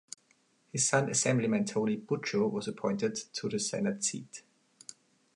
His son Assemblyman Tony Bucco was appointed to the Senate seat.